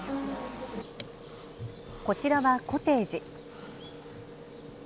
こちらはコテージ。